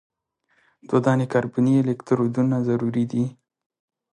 دوه دانې کاربني الکترودونه ضروري دي.